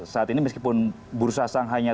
saat ini meskipun bursa sanghanya